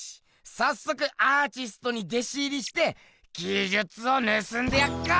さっそくアーチストに弟子入りして技じゅつを盗んでやっか！